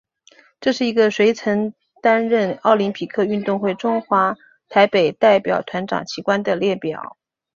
这是一个谁曾担任奥林匹克运动会中华台北代表团掌旗官的列表。